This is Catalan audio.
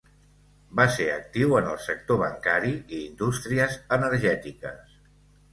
Va ser actiu en el sector bancari i indústries energètiques.